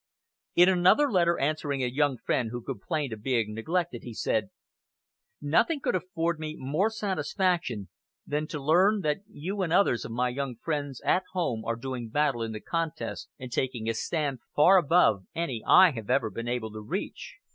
In another letter, answering a young friend who complained of being neglected, he said: "Nothing could afford me more satisfaction than to learn that you and others of my young friends at home are doing battle in the contest and taking a stand far above any I have ever been able to reach....